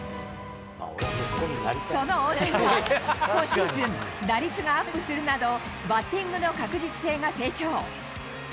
その大谷は、今シーズン、打率がアップするなど、バッティングの確実性が成長。